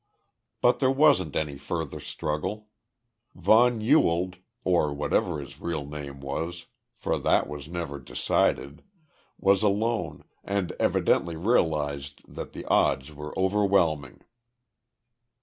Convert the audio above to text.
But there wasn't any further struggle. Von Ewald or whatever his real name was, for that was never decided was alone and evidently realized that the odds were overwhelming.